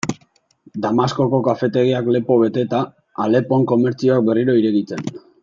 Damaskoko kafetegiak lepo beteta, Alepon komertzioak berriro irekitzen...